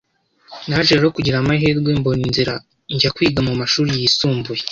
Naje rero kugira amahirwe mbona inzira njya kwiga mu mashuri yisumbuye,